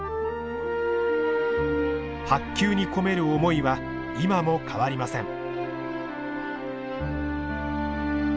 白球に込める思いは今も変わりません。